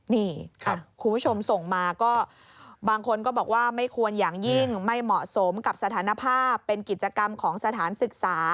นี่คุณผู้ชมส่งมาก็บางคนก็บอกว่าไม่ควรอย่างยิ่งไม่เหมาะสมกับสถานภาพเป็นกิจกรรมของสถานศึกษา